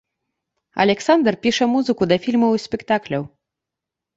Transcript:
Аляксандр піша музыку да фільмаў і спектакляў.